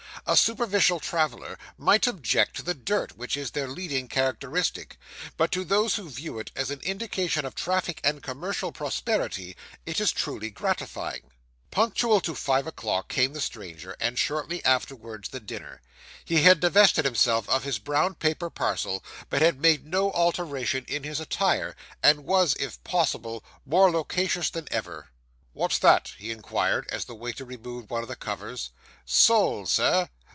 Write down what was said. A superficial traveller might object to the dirt, which is their leading characteristic; but to those who view it as an indication of traffic and commercial prosperity, it is truly gratifying.' Punctual to five o'clock came the stranger, and shortly afterwards the dinner. He had divested himself of his brown paper parcel, but had made no alteration in his attire, and was, if possible, more loquacious than ever. 'What's that?' he inquired, as the waiter removed one of the covers. 'Soles, Sir.